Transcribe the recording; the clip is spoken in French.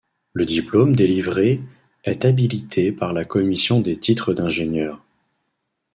Le diplôme délivré est habilité par la Commission des Titres d'Ingénieurs.